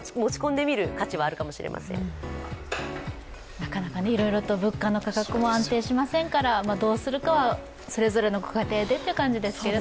なかなか、いろいろと物価の価格も安定しませんから、どうするかは、それぞれのご家庭でという感じですけど。